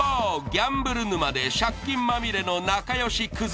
ギャンブル沼で借金まみれの仲良しクズ